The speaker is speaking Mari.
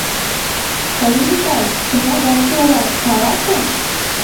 Тый, Микал, кнагаче улат, каласе.